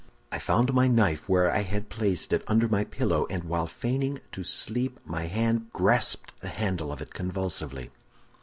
"I found my knife where I had placed it, under my pillow, and while feigning to sleep, my hand grasped the handle of it convulsively.